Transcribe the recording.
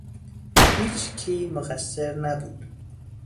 هیچکی مقصر نبود